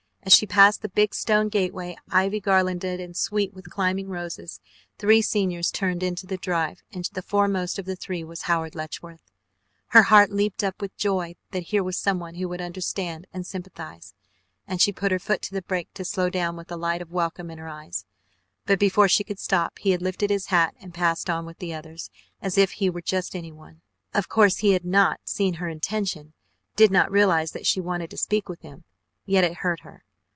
As she passed the big stone gateway, ivy garlanded and sweet with climbing roses, three seniors turned into the drive, and the foremost of the three was Howard Letchworth. Her heart leaped up with joy that here was someone who would understand and sympathize, and she put her foot to the brake to slow down with a light of welcome in her eyes, but before she could stop he had lifted his hat and passed on with the others as if he were just anyone. Of course he had not seen her intention, did not realize that she wanted to speak with him, yet it hurt her.